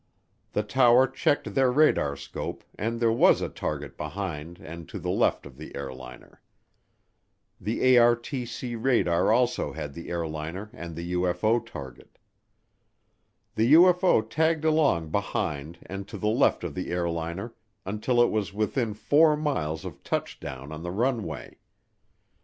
The tower checked their radar scope and there was a target behind and to the left of the airliner. The ARTC radar also had the airliner and the UFO target. The UFO tagged along behind and to the left of the airliner until it was within four miles of touchdown on the runway.